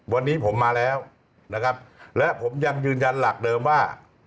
วันนี้ผมมาแล้วนะครับและผมยังยืนยันหลักเดิมว่า